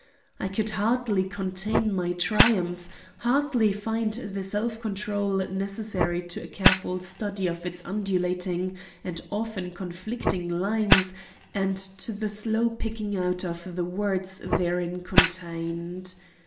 I could hardly contain my triumph, hardly find the self control necessary to a careful study of its undulating and often conflicting lines and to the slow picking out of the words therein contained.